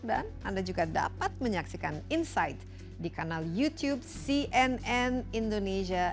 dan anda juga dapat menyaksikan insight di kanal youtube cnn indonesia